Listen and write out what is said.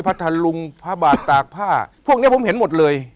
พระน้อยพระธารุงพระบาทตากภาพพวกนี้ผมเห็นหมดเลย